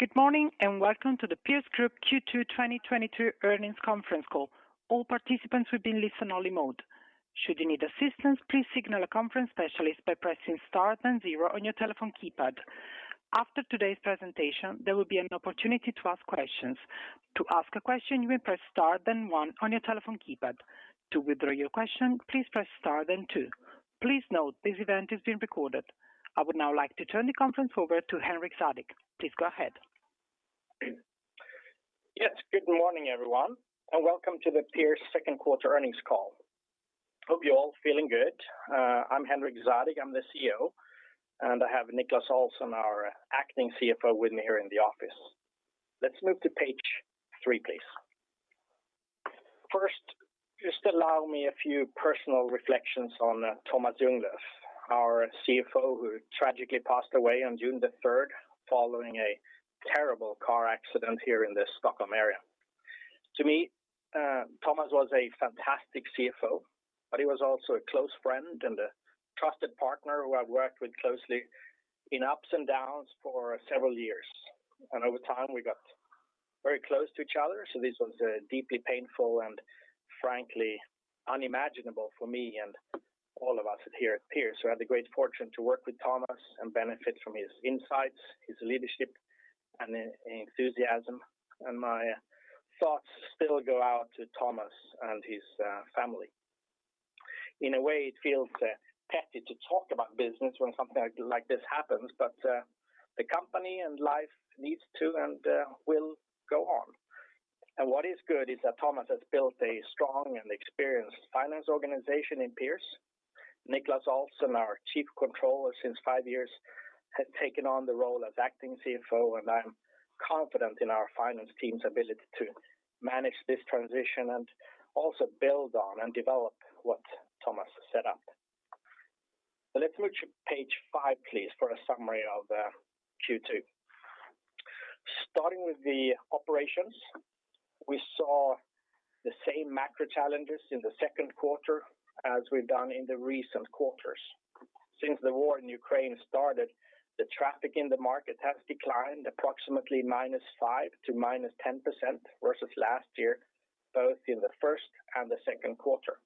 Good morning and welcome to the Pierce Group Q2 2022 earnings conference call. All participants will be in listen only mode. Should you need assistance, please signal a conference specialist by pressing Star then zero on your telephone keypad. After today's presentation, there will be an opportunity to ask questions. To ask a question, you may press Star then one on your telephone keypad. To withdraw your question, please press Star then two. Please note this event is being recorded. I would now like to turn the conference over to Henrik Zadig. Please go ahead. Yes, good morning, everyone, and welcome to the Pierce second quarter earnings call. Hope you're all feeling good. I'm Henrik Zadig, I'm the CEO, and I have Niclas Olsson, our acting CFO, with me here in the office. Let's move to page three, please. First, just allow me a few personal reflections on Tomas Ljunglöf, our CFO, who tragically passed away on June the third following a terrible car accident here in the Stockholm area. To me, Tomas was a fantastic CFO, but he was also a close friend and a trusted partner who I worked with closely in ups and downs for several years. Over time, we got very close to each other. This was deeply painful and frankly unimaginable for me and all of us here at Pierce, who had the great fortune to work with Tomas and benefit from his insights, his leadership and enthusiasm. My thoughts still go out to Tomas and his family. In a way, it feels petty to talk about business when something like this happens, but the company and life needs to and will go on. What is good is that Tomas has built a strong and experienced finance organization in Pierce. Niclas Olsson, our chief controller since five years, has taken on the role as acting CFO, and I'm confident in our finance team's ability to manage this transition and also build on and develop what Tomas set up. Let's move to page five, please, for a summary of Q2. Starting with the operations, we saw the same macro challenges in the second quarter as we've done in the recent quarters. Since the war in Ukraine started, the traffic in the market has declined approximately -5% to -10% versus last year, both in the first and the second quarter.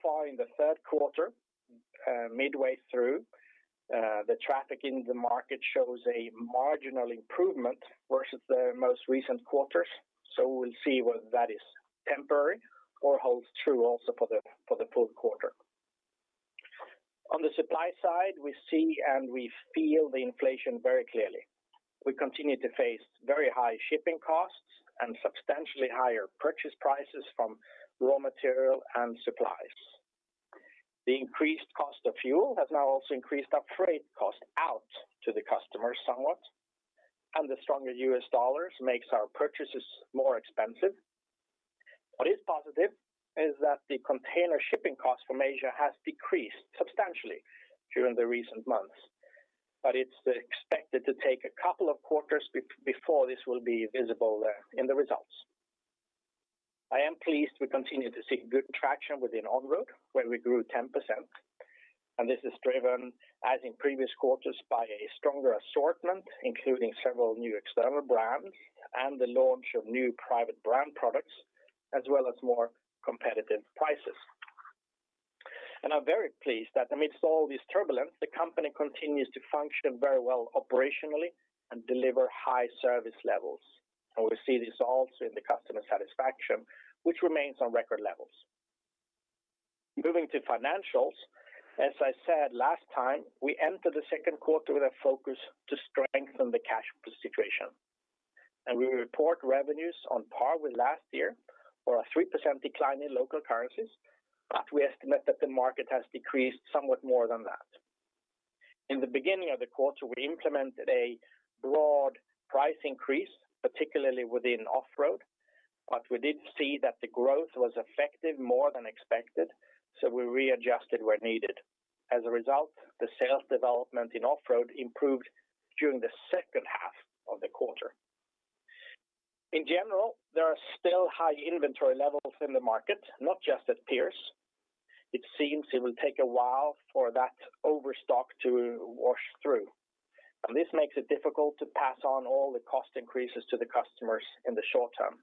Far in the third quarter, midway through, the traffic in the market shows a marginal improvement versus the most recent quarters, so we'll see whether that is temporary or holds true also for the full quarter. On the supply side, we see and we feel the inflation very clearly. We continue to face very high shipping costs and substantially higher purchase prices from raw material and supplies. The increased cost of fuel has now also increased our freight cost out to the customers somewhat, and the stronger US dollars makes our purchases more expensive. What is positive is that the container shipping cost from Asia has decreased substantially during the recent months, but it's expected to take a couple of quarters before this will be visible, in the results. I am pleased we continue to see good traction within on-road, where we grew 10%, and this is driven, as in previous quarters, by a stronger assortment, including several new external brands and the launch of new private brand products, as well as more competitive prices. I'm very pleased that amidst all this turbulence, the company continues to function very well operationally and deliver high service levels. We see this also in the customer satisfaction, which remains on record levels. Moving to financials, as I said last time, we enter the second quarter with a focus to strengthen the cash flow situation. We report revenues on par with last year or a 3% decline in local currencies, but we estimate that the market has decreased somewhat more than that. In the beginning of the quarter, we implemented a broad price increase, particularly within off-road, but we did see that the growth was affected more than expected, so we readjusted where needed. As a result, the sales development in off-road improved during the second half of the quarter. In general, there are still high inventory levels in the market, not just at Pierce. It seems it will take a while for that overstock to wash through, and this makes it difficult to pass on all the cost increases to the customers in the short term.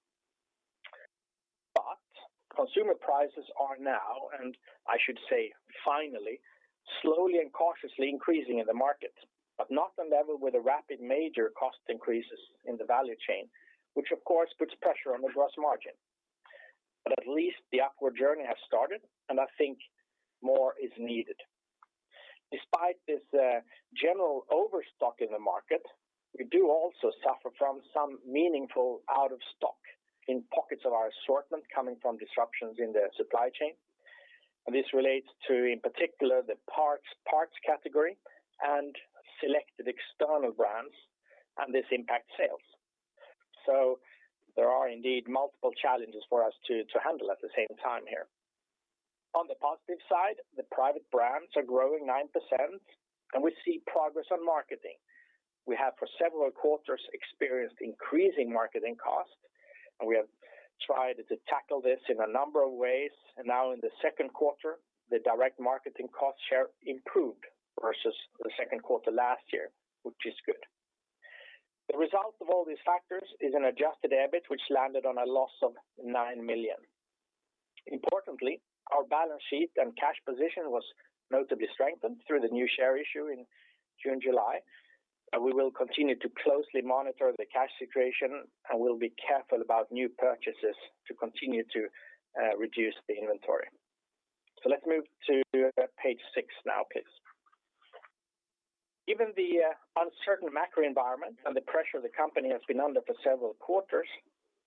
Consumer prices are now, and I should say finally, slowly and cautiously increasing in the market, but not on level with the rapid major cost increases in the value chain, which of course puts pressure on the gross margin. At least the upward journey has started, and I think more is needed. Despite this, general overstock in the market, we do also suffer from some meaningful out-of-stock in pockets of our assortment coming from disruptions in the supply chain. This relates to, in particular, the parts category and selected external brands, and this impacts sales. There are indeed multiple challenges for us to handle at the same time here. On the positive side, the private brands are growing 9%, and we see progress on marketing. We have for several quarters experienced increasing marketing costs. We have tried to tackle this in a number of ways, and now in the second quarter, the direct marketing cost share improved versus the second quarter last year, which is good. The result of all these factors is an adjusted EBIT which landed on a loss of 9 million. Importantly, our balance sheet and cash position was notably strengthened through the new share issue in June, July. We will continue to closely monitor the cash situation, and we'll be careful about new purchases to continue to reduce the inventory. Let's move to page six now, please. Given the uncertain macro environment and the pressure the company has been under for several quarters,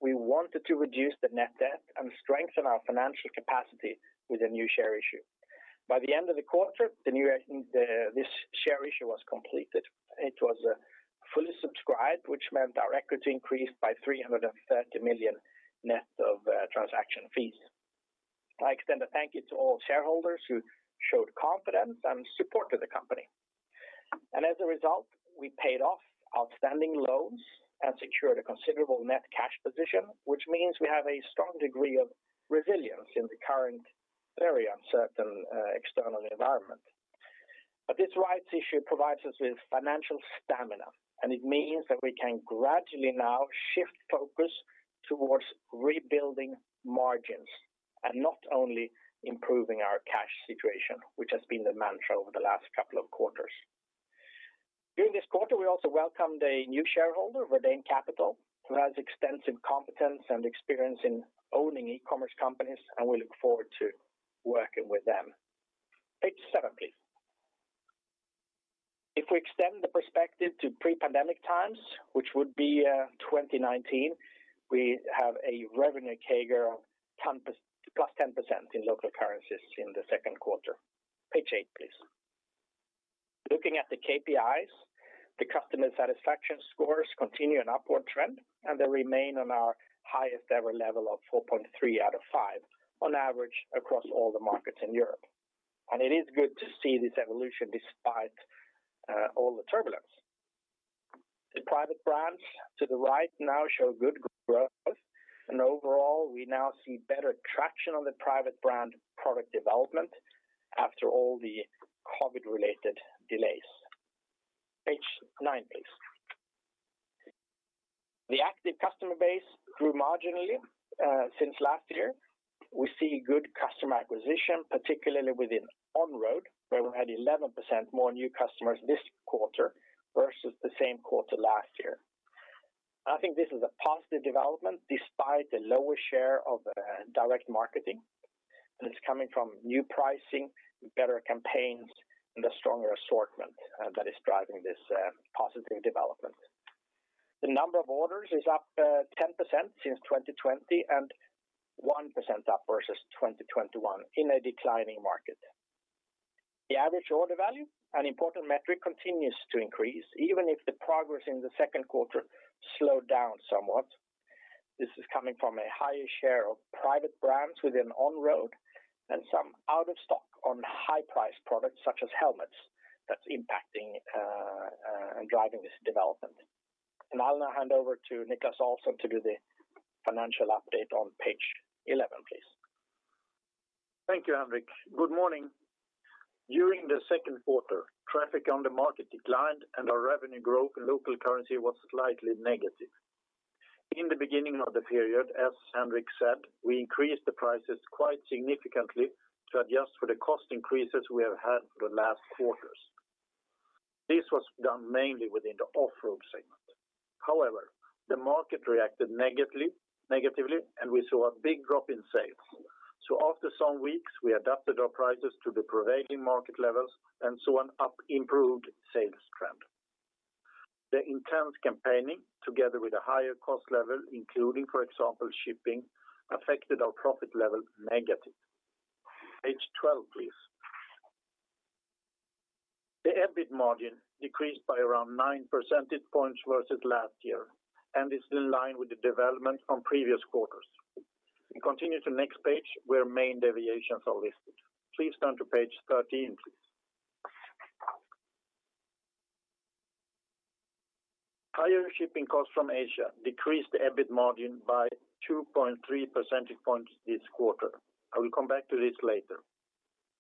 we wanted to reduce the net debt and strengthen our financial capacity with a new share issue. By the end of the quarter, this share issue was completed. It was fully subscribed, which meant our records increased by 330 million net of transaction fees. I extend a thank you to all shareholders who showed confidence and support to the company. As a result, we paid off outstanding loans and secured a considerable net cash position, which means we have a strong degree of resilience in the current very uncertain external environment. This rights issue provides us with financial stamina, and it means that we can gradually now shift focus towards rebuilding margins and not only improving our cash situation, which has been the mantra over the last couple of quarters. During this quarter, we also welcomed a new shareholder, Verdane Capital, who has extensive competence and experience in owning e-commerce companies, and we look forward to working with them. Page seven, please. If we extend the perspective to pre-pandemic times, which would be 2019, we have a revenue CAGR of +10% in local currencies in the second quarter. Page eight, please. Looking at the KPIs, the customer satisfaction scores continue an upward trend, and they remain on our highest-ever level of 4.3 out of 5 on average across all the markets in Europe. It is good to see this evolution despite all the turbulence. The private brands to the right now show good growth. Overall, we now see better traction on the private brand product development after all the COVID-related delays. Page nine, please. The active customer base grew marginally since last year. We see good customer acquisition, particularly within on-road, where we had 11% more new customers this quarter versus the same quarter last year. I think this is a positive development despite the lower share of direct marketing, and it's coming from new pricing, better campaigns, and a stronger assortment that is driving this positive development. The number of orders is up 10% since 2020 and 1% up versus 2021 in a declining market. The average order value, an important metric, continues to increase, even if the progress in the second quarter slowed down somewhat. This is coming from a higher share of private brands within on-road and some out of stock on high-priced products such as helmets that's impacting and driving this development. I'll now hand over to Niclas Olsson to do the financial update on page 11, please. Thank you, Henrik. Good morning. During the second quarter, traffic on the market declined and our revenue growth in local currency was slightly negative. In the beginning of the period, as Henrik said, we increased the prices quite significantly to adjust for the cost increases we have had for the last quarters. This was done mainly within the off-road segment. However, the market reacted negatively and we saw a big drop in sales. After some weeks, we adapted our prices to the prevailing market levels and saw an improved sales trend. The intense campaigning together with a higher cost level, including, for example, shipping, affected our profit level negatively. Page 12, please. The EBIT margin decreased by around 9 percentage points versus last year and is in line with the development from previous quarters. We continue to next page where main deviations are listed. Please turn to page 13, please. Higher shipping costs from Asia decreased the EBIT margin by 2.3 percentage points this quarter. I will come back to this later.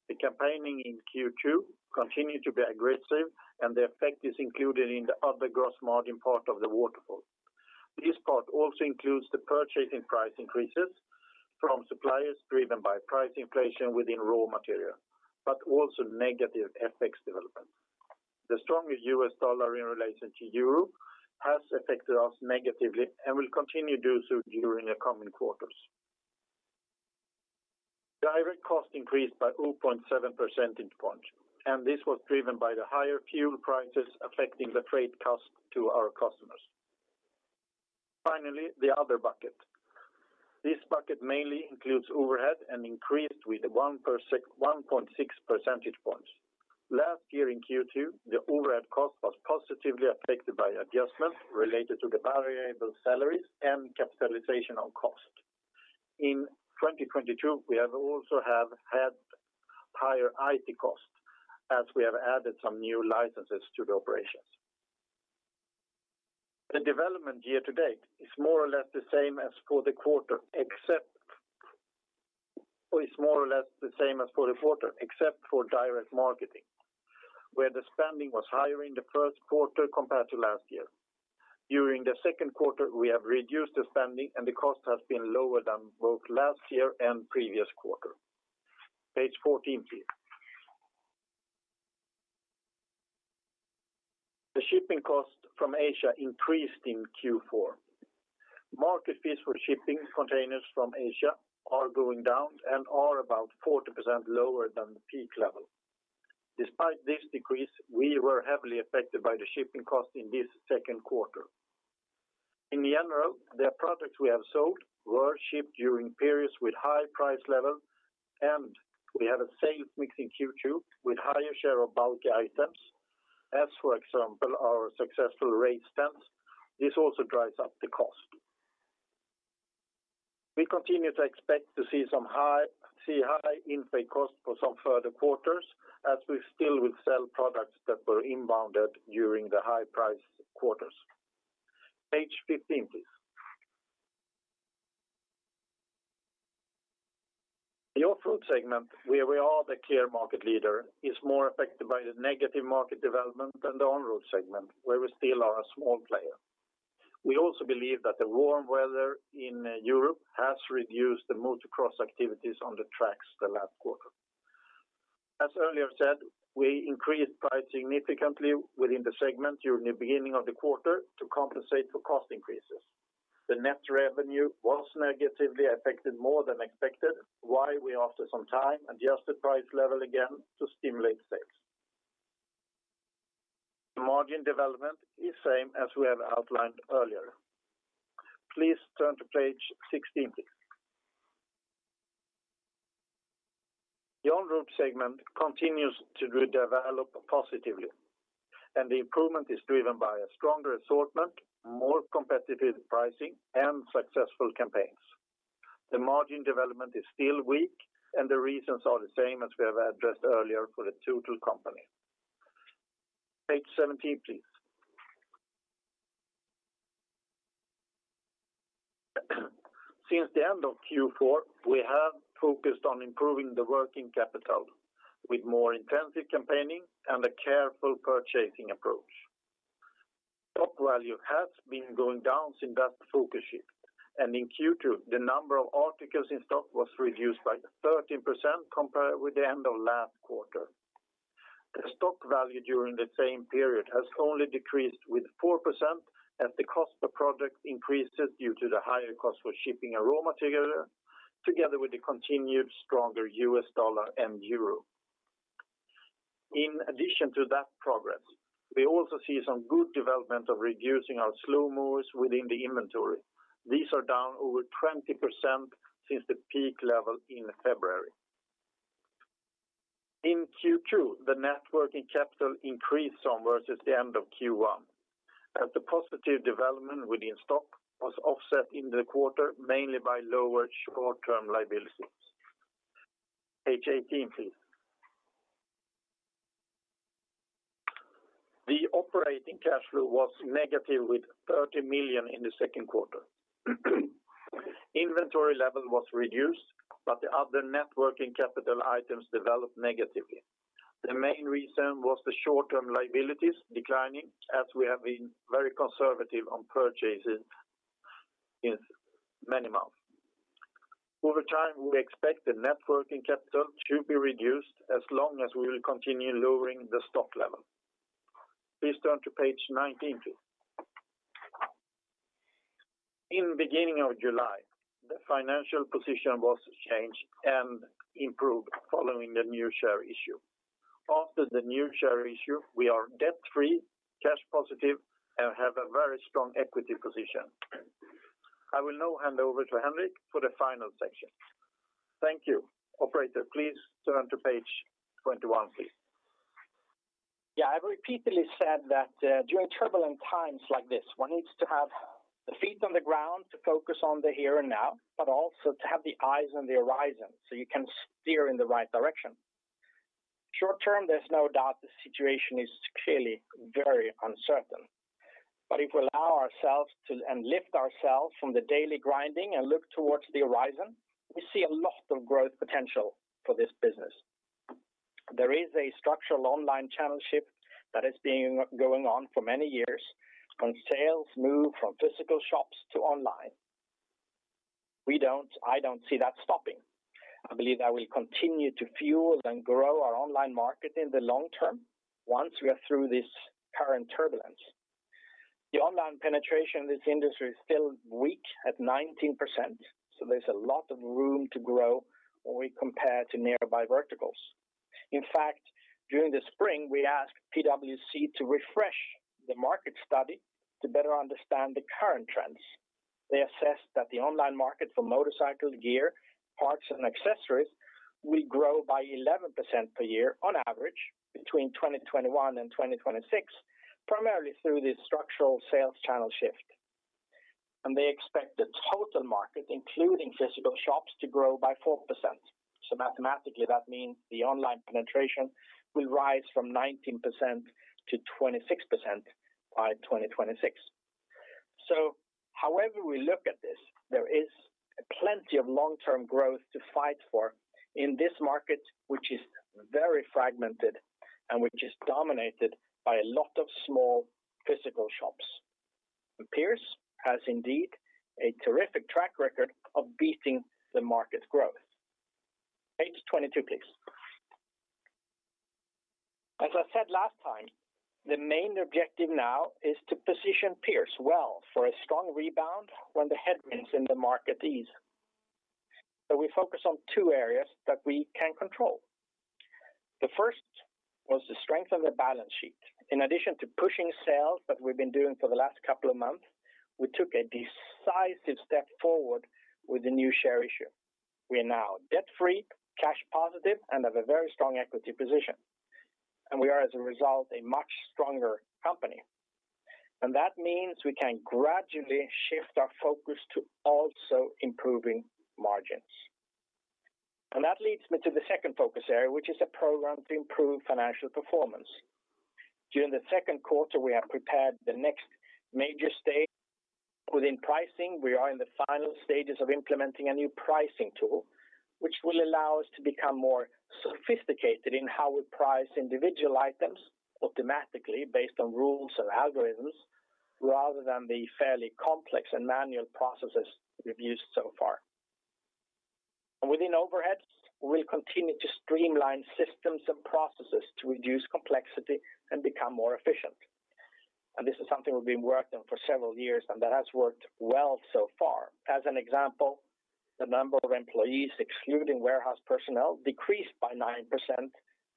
The campaigning in Q2 continued to be aggressive and the effect is included in the other gross margin part of the waterfall. This part also includes the purchasing price increases from suppliers driven by price inflation within raw material, but also negative FX development. The stronger US dollar in relation to Euro has affected us negatively and will continue to do so during the coming quarters. Direct cost increased by 0.7 percentage points, and this was driven by the higher fuel prices affecting the freight cost to our customers. Finally, the other bucket. This bucket mainly includes overhead and increased with 1.6 percentage points. Last year in Q2, the overhead cost was positively affected by adjustments related to the variable salaries and capitalization on cost. In 2022, we also had higher IT costs as we have added some new licenses to the operations. The development year to date is more or less the same as for the quarter, except for direct marketing, where the spending was higher in the first quarter compared to last year. During the second quarter, we have reduced the spending, and the cost has been lower than both last year and previous quarter. Page 14, please. The shipping cost from Asia increased in Q4. Market fees for shipping containers from Asia are going down and are about 40% lower than the peak level. Despite this decrease, we were heavily affected by the shipping cost in this second quarter. In general, the products we have sold were shipped during periods with high price level, and we have a sales mix in Q2 with higher share of bulky items, as, for example, our successful Race Tent. This also drives up the cost. We continue to expect to see high intake costs for some further quarters as we still will sell products that were inbound during the high-price quarters. Page 15, please. The off-road segment, where we are the clear market leader, is more affected by the negative market development than the on-road segment, where we still are a small player. We also believe that the warm weather in Europe has reduced the motocross activities on the tracks the last quarter. As earlier said, we increased price significantly within the segment during the beginning of the quarter to compensate for cost increases. The net revenue was negatively affected more than expected, why we, after some time, adjusted price level again to stimulate sales. The margin development is same as we have outlined earlier. Please turn to page 16, please. The on-road segment continues to redevelop positively, and the improvement is driven by a stronger assortment, more competitive pricing, and successful campaigns. The margin development is still weak, and the reasons are the same as we have addressed earlier for the total company. Page 17, please. Since the end of Q4, we have focused on improving the working capital with more intensive campaigning and a careful purchasing approach. Top value has been going down since that focus shift, and in Q2, the number of articles in stock was reduced by 13% compared with the end of last quarter. The stock value during the same period has only decreased with 4% as the cost per product increases due to the higher cost for shipping a raw material together with the continued stronger U.S. dollar and Euro. In addition to that progress, we also see some good development of reducing our slow movers within the inventory. These are down over 20% since the peak level in February. In Q2, the net working capital increased some versus the end of Q1, as the positive development within stock was offset in the quarter, mainly by lower short-term liabilities. Page 18, please. The operating cash flow was negative with 30 million in the second quarter. Inventory level was reduced, but the other net working capital items developed negatively. The main reason was the short-term liabilities declining as we have been very conservative on purchases in many months. Over time, we expect the net working capital to be reduced as long as we will continue lowering the stock level. Please turn to page 19, please. In the beginning of July, the financial position was changed and improved following the new share issue. After the new share issue, we are debt-free, cash positive, and have a very strong equity position. I will now hand over to Henrik for the final section. Thank you. Operator, please turn to page 21, please. Yeah, I've repeatedly said that during turbulent times like this, one needs to have the feet on the ground to focus on the here and now, but also to have the eyes on the horizon so you can steer in the right direction. Short-term, there's no doubt the situation is clearly very uncertain. If we allow ourselves to, and lift ourselves from the daily grinding and look towards the horizon, we see a lot of growth potential for this business. There is a structural online channel shift that has been going on for many years when sales move from physical shops to online. I don't see that stopping. I believe that will continue to fuel and grow our online market in the long term once we are through this current turbulence. The online penetration in this industry is still weak at 19%, so there's a lot of room to grow when we compare to nearby verticals. In fact, during the spring, we asked PwC to refresh the market study to better understand the current trends. They assessed that the online market for motorcycle gear, parts, and accessories will grow by 11% per year on average between 2021 and 2026. Primarily through the structural sales channel shift. They expect the total market, including physical shops, to grow by 4%. Mathematically, that means the online penetration will rise from 19% to 26% by 2026. However we look at this, there is plenty of long-term growth to fight for in this market, which is very fragmented and which is dominated by a lot of small physical shops. Pierce has indeed a terrific track record of beating the market growth. Page 22, please. As I said last time, the main objective now is to position Pierce well for a strong rebound when the headwinds in the market ease. We focus on two areas that we can control. The first was the strength of the balance sheet. In addition to pushing sales that we've been doing for the last couple of months, we took a decisive step forward with the new share issue. We are now debt-free, cash positive, and have a very strong equity position. We are, as a result, a much stronger company. That means we can gradually shift our focus to also improving margins. That leads me to the second focus area, which is a program to improve financial performance. During the second quarter, we have prepared the next major stage. Within pricing, we are in the final stages of implementing a new pricing tool, which will allow us to become more sophisticated in how we price individual items automatically based on rules and algorithms, rather than the fairly complex and manual processes we've used so far. Within overheads, we'll continue to streamline systems and processes to reduce complexity and become more efficient. This is something we've been working on for several years, and that has worked well so far. As an example, the number of employees, excluding warehouse personnel, decreased by 9%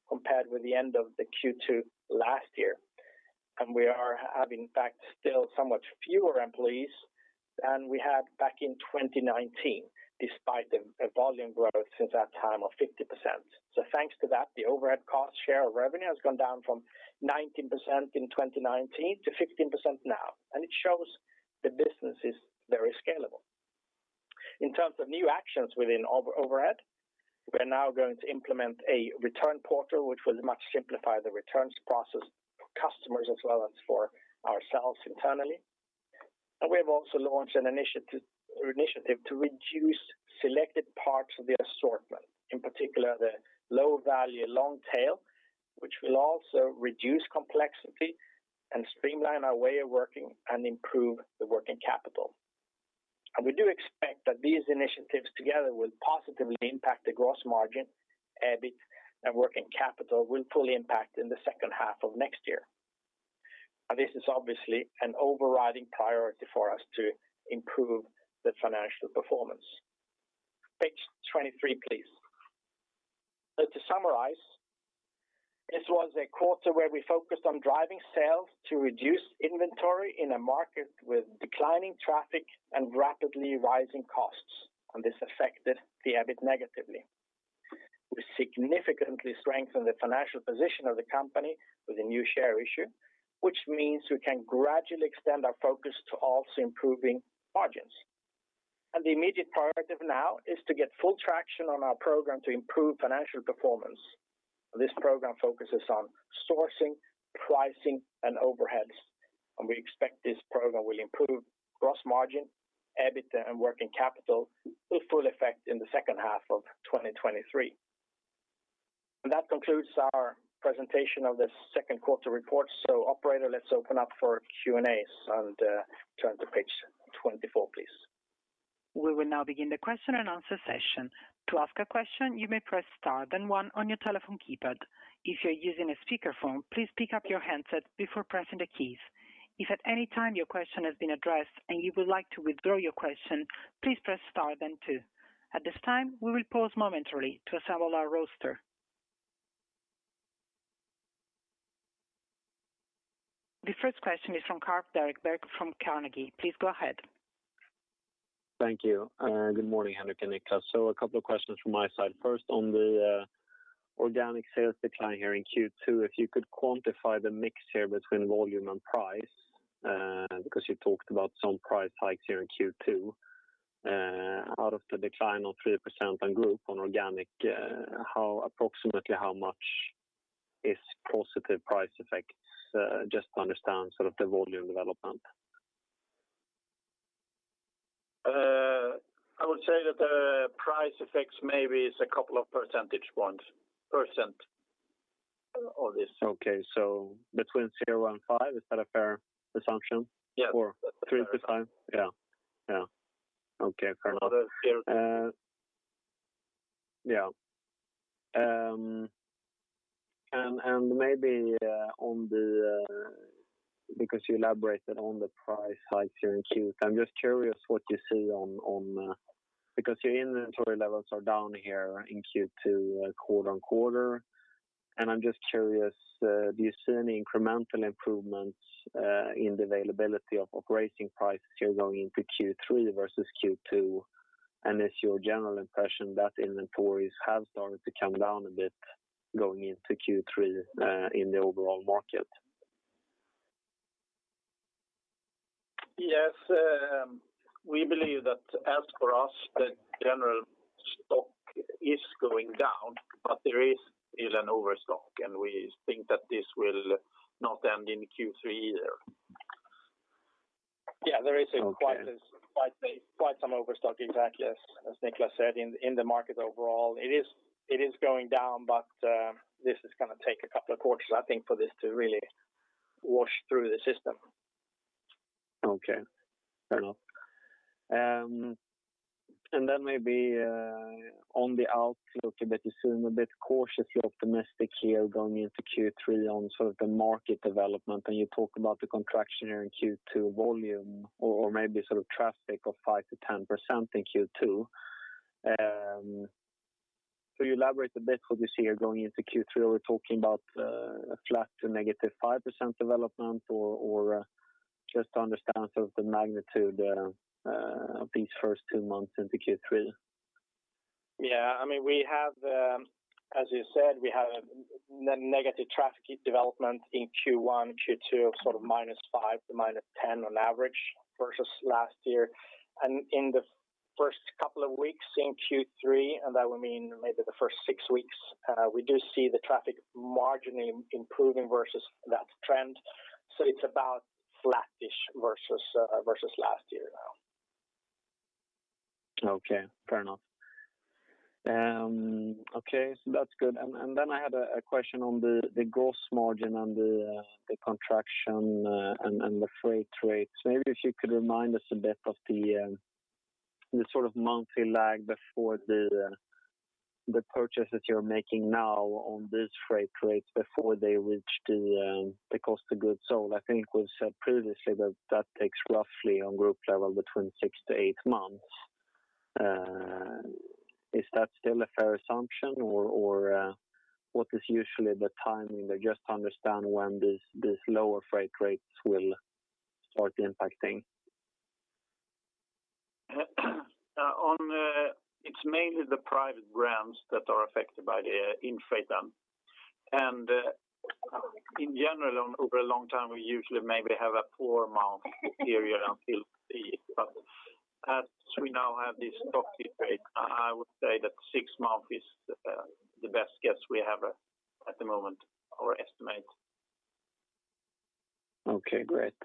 compared with the end of the Q2 last year. We have in fact still somewhat fewer employees than we had back in 2019, despite the volume growth since that time of 50%. Thanks to that, the overhead cost share of revenue has gone down from 19% in 2019 to 15% now, and it shows the business is very scalable. In terms of new actions within overhead, we're now going to implement a return portal, which will much simplify the returns process for customers as well as for ourselves internally. We have also launched an initiative to reduce selected parts of the assortment, in particular the low-value long tail, which will also reduce complexity and streamline our way of working and improve the working capital. We do expect that these initiatives together will positively impact the gross margin, EBIT, and working capital will fully impact in the second half of next year. This is obviously an overriding priority for us to improve the financial performance. Page 23, please. To summarize, this was a quarter where we focused on driving sales to reduce inventory in a market with declining traffic and rapidly rising costs, and this affected the EBIT negatively. We significantly strengthened the financial position of the company with a new share issue, which means we can gradually extend our focus to also improving margins. The immediate priority now is to get full traction on our program to improve financial performance. This program focuses on sourcing, pricing, and overheads, and we expect this program will improve gross margin, EBITDA, and working capital with full effect in the second half of 2023. That concludes our presentation of this second quarter report. Operator, let's open up for Q&As and turn to page 24, please. We will now begin the question and answer session. To ask a question, you may press star then one on your telephone keypad. If you're using a speakerphone, please pick up your handset before pressing the keys. If at any time your question has been addressed and you would like to withdraw your question, please press star then two. At this time, we will pause momentarily to assemble our roster. The first question is from Carl Fredrik Berg from Carnegie. Please go ahead. Thank you. Good morning, Henrik and Niclas. A couple of questions from my side. First, on the organic sales decline here in Q2, if you could quantify the mix here between volume and price, because you talked about some price hikes here in Q2. Out of the decline of 3% on group on organic, approximately how much is positive price effects, just to understand sort of the volume development? I would say that the price effects maybe is a couple of percentage points, percent of this. Okay. Between zero and five, is that a fair assumption? Yeah. Three-five? Yeah. Yeah. Okay. Fair enough. Zero. Maybe on the FX because you elaborated on the price hikes here in Q2. I'm just curious what you see on FX because your inventory levels are down here in Q2 quarter-over-quarter. I'm just curious, do you see any incremental improvements in the availability of operating price here going into Q3 versus Q2? It's your general impression that inventories have started to come down a bit going into Q3 in the overall market? Yes, we believe that as for us, the general stock is going down, but there is an overstock, and we think that this will not end in Q3 either. Yeah. Okay. Quite some overstock, exactly as Niclas said in the market overall. It is going down, but this is gonna take a couple of quarters, I think, for this to really wash through the system. Okay. Fair enough. Maybe on the outlook a bit, you seem a bit cautiously optimistic here going into Q3 on sort of the market development, and you talk about the contraction in Q2 volume or maybe sort of traffic of 5%-10% in Q2. Could you elaborate a bit what you see here going into Q3? Are we talking about a flat to -5% development or just to understand sort of the magnitude of these first two months into Q3. Yeah. I mean, as you said, we have negative traffic development in Q1, Q2 of sort of -5%,-10% on average versus last year. In the first couple of weeks in Q3, that would mean maybe the first six weeks, we do see the traffic marginally improving versus that trend. It's about flattish versus last year now. Okay. Fair enough. Okay. That's good. Then I had a question on the gross margin and the contraction and the freight rates. Maybe if you could remind us a bit of the sort of monthly lag before the purchase that you're making now on this freight rates before they reach the cost of goods sold. I think it was said previously that that takes roughly on group level between six to eight months. Is that still a fair assumption or what is usually the timing there? Just to understand when these lower freight rates will start impacting. It's mainly the private brands that are affected by the inflation. In general, over a long time, we usually maybe have a four month period until we see it. As we now have this sticky rate, I would say that six months is the best guess we have at the moment or estimate. Okay, great.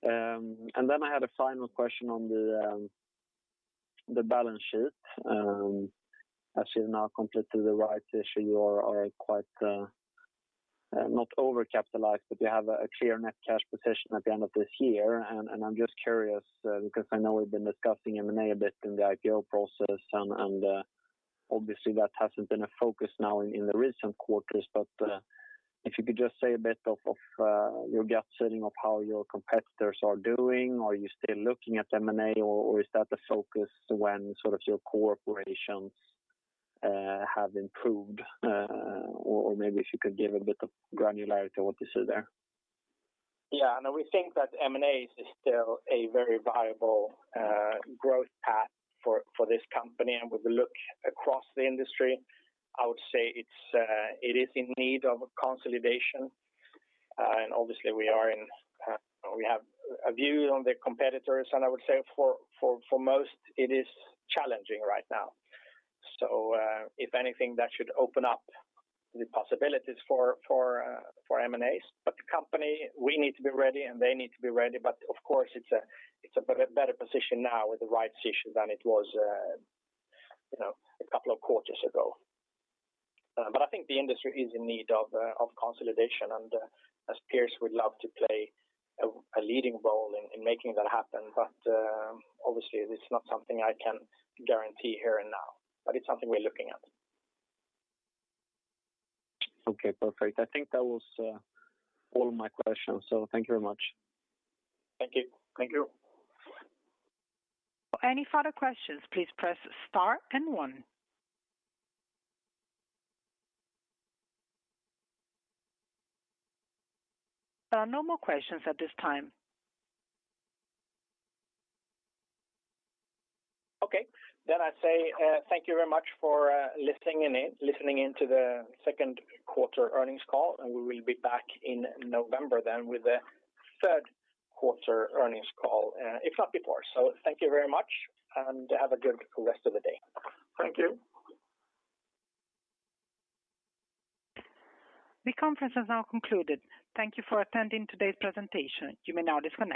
Then I had a final question on the balance sheet. As you've now completed the rights issue, you are quite not overcapitalized, but you have a clear net cash position at the end of this year. I'm just curious, because I know we've been discussing M&A a bit in the IPO process and obviously that hasn't been a focus now in the recent quarters. If you could just say a bit of your gut setting of how your competitors are doing. Are you still looking at M&A or is that the focus when sort of your core operations have improved? Or maybe if you could give a bit of granularity on what you see there. Yeah, no, we think that M&A is still a very viable growth path for this company. With the look across the industry, I would say it is in need of consolidation. Obviously we have a view on the competitors and I would say for most it is challenging right now. If anything that should open up the possibilities for M&As. The company, we need to be ready and they need to be ready. Of course it's a better position now with the rights issue than it was, you know, a couple of quarters ago. I think the industry is in need of consolidation. As Pierce, we'd love to play a leading role in making that happen. Obviously it's not something I can guarantee here and now, but it's something we're looking at. Okay, perfect. I think that was all my questions, so thank you very much. Thank you. Thank you. Any further questions, please press star and one. There are no more questions at this time. Okay. I say, thank you very much for listening in to the second quarter earnings call, and we will be back in November then with the third quarter earnings call, if not before. Thank you very much and have a good rest of the day. Thank you. The conference has now concluded. Thank you for attending today's presentation. You may now disconnect.